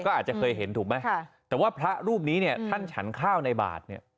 ก็อาจจะเคยเห็นถูกไหมแต่ว่าพระรูปนี้เนี่ยท่านฉันข้าวในบาทเนี่ย